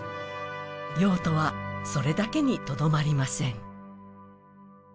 用途は、それだけにとどまりません